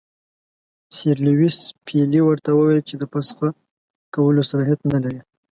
سر لیویس پیلي ورته وویل چې د فسخ کولو صلاحیت نه لري.